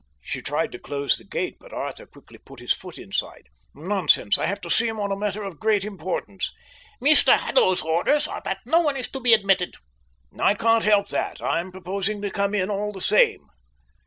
She tried to close the gate, but Arthur quickly put his foot inside. "Nonsense! I have to see him on a matter of great importance." "Mr Haddo's orders are that no one is to be admitted." "I can't help that, I'm proposing to come in, all the same."